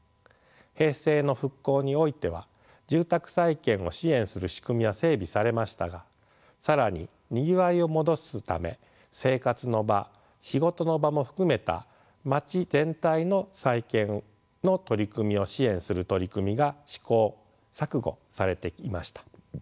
平成の復興においては住宅再建を支援する仕組みは整備されましたが更ににぎわいを戻すため生活の場仕事の場も含めたまち全体の再建の取り組みを支援する取り組みが試行錯誤されていました。